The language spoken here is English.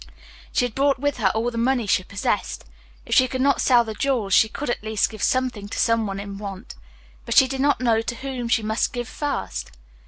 She had brought with her all the money she possessed. If she could not sell the jewels she could, at least, give something to someone in want. But she did not know to whom she must give first.